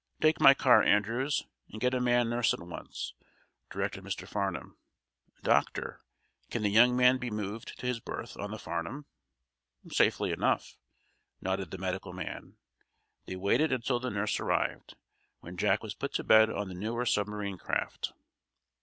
"Take my car, Andrews, and get a man nurse at once," directed Mr. Farnum. "Doctor, can the young man be moved to his berth on the 'Farnum'?" "Safely enough," nodded the medical man. They waited until the nurse arrived, when Jack was put to bed on the newer submarine craft.